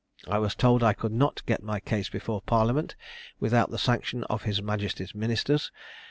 I was told I could not get my case before parliament without the sanction of his majesty's ministers.